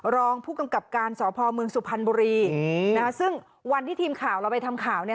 รองผู้กำกับการสพเมืองสุพรรณบุรีซึ่งวันที่ทีมข่าวเราไปทำข่าวเนี่ย